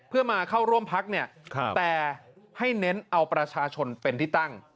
เพื่อมาเข้าร่วมพักเนี่ยแต่ให้เน้นเอาประชาชนเป็นที่ตั้ง